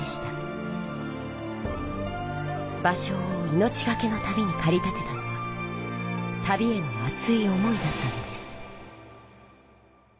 芭蕉をいのちがけの旅にかり立てたのは旅へのあつい思いだったのです。